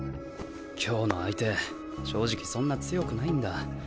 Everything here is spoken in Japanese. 今日の相手正直そんな強くないんだ。